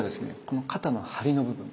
この肩の張りの部分。